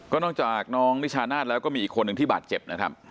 นอกจากน้องนิชานาศแล้วก็มีอีกคนหนึ่งที่บาดเจ็บนะครับ